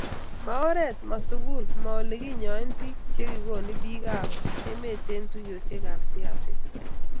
ma oret, ma sugul ma oleginyoen biik chegigoni bikap emet eng tuiyoshekab siaset